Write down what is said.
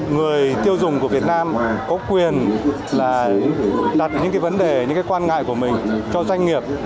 người tiêu dùng của việt nam có quyền là đặt những cái vấn đề những cái quan ngại của mình cho doanh nghiệp